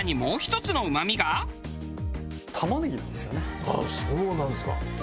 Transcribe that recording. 更にああそうなんですか。